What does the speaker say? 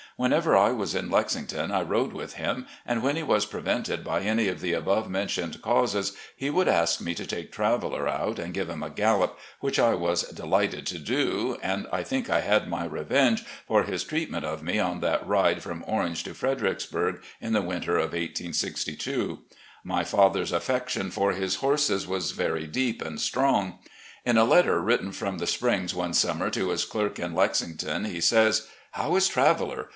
Whenever I was in Lexington I rode with him, and when he was prevented by any of the above mentioned causes he would ask me to take Traveller out and give him a gallop, which I was delighted to do, and I think I had my revenge for his treatment of me on that ride from Orange to Fredericksburg in the winter of 1862. My father's affection for his horses was very deep and strong. In a letter written from the Springs one summer, to his clerk in Lexington, he says: 264 MOUNTAIN RIDES 265 "How is Traveller?